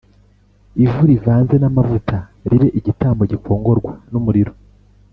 Ivu rivanze n amavuta ribe igitambo gikongorwa n umuriro